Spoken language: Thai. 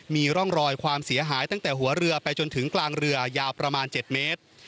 มีร่องรอยความเสียหายตั้งแต่หัวเรือไปจนถึงกลางเรือยาวประมาณ๗เมตร